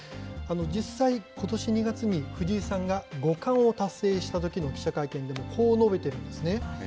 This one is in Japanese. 実際、ことし２月に、藤井さんが五冠を達成したときの記者会見でもこう述べてるんですね。